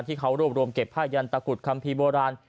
ที่เขารวบรวมเก็บผ้ายันตะกุดคัมภีร์โบราณ